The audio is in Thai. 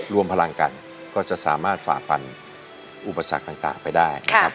รวมพลังกันก็จะสามารถฝ่าฟันอุปสรรคต่างไปได้นะครับ